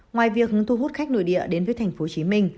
ngoài việc thu hút khách nội địa đến với tp hcm